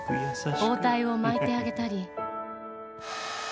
包帯を巻いてあげたり。